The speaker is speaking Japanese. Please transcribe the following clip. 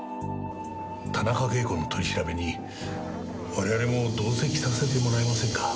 田中啓子の取り調べに我々も同席させてもらえませんか？